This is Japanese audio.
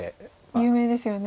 有名ですよね。